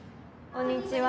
こんにちは。